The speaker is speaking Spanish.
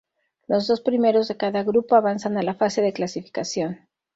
Los dos primeros de cada grupo avanzan a la fase de clasificación.